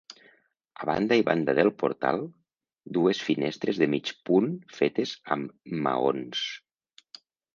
A banda i banda del portal, dues finestres de mig punt fetes amb maons.